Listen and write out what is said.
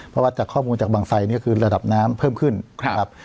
เพราะว่าจากข้อมูลจากบางไซนี่คือระดับน้ำเพิ่มขึ้นนะครับ